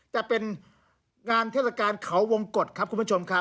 แต่เป็นงานเทศกาลเขาวงกฎครับคุณผู้ชมครับ